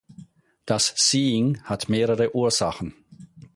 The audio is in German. Das Seeing hat mehrere Ursachen.